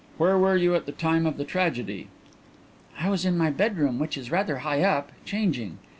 "Where were you at the time of the tragedy?" "I was in my bedroom, which is rather high up, changing.